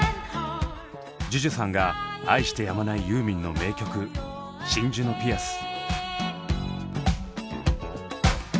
ＪＵＪＵさんが愛してやまないユーミンの名曲「真珠のピアス」。